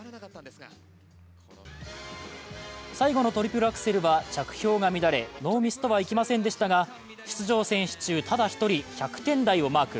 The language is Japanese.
最後のトリプルアクセルは着氷が乱れノーミスとはいきませんでしたが、出場選手中ただ１人１００点台をマーク。